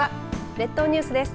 列島ニュースです。